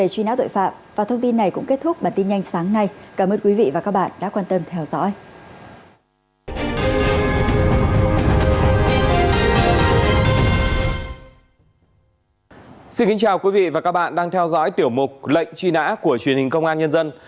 xin kính chào quý vị và các bạn đang theo dõi tiểu mục lệnh truy nã của truyền hình công an nhân dân